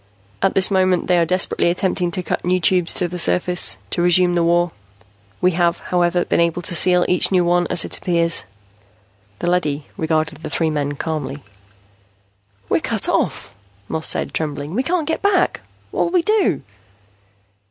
At this moment they are desperately attempting to cut new Tubes to the surface, to resume the war. We have, however, been able to seal each new one as it appears." The leady regarded the three men calmly. "We're cut off," Moss said, trembling. "We can't get back. What'll we do?"